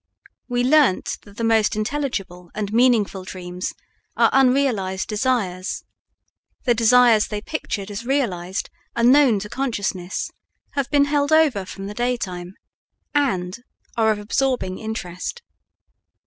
We learnt that the most intelligible and meaningful dreams are unrealized desires; the desires they pictured as realized are known to consciousness, have been held over from the daytime, and are of absorbing interest.